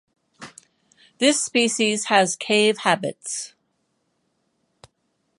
This species has cave habits.